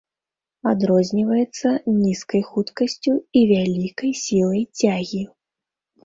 Адрозніваецца нізкай хуткасцю і вялікай сілай цягі.